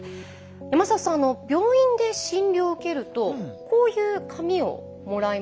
山里さん病院で診療を受けるとこういう紙をもらいますよね。